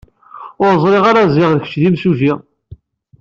Ur ẓriɣ ara ziɣ kečč d imsujji.